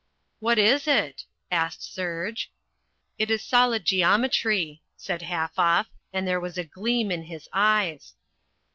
"What is it?" asked Serge. "It is solid geometry," said Halfoff, and there was a gleam in his eyes.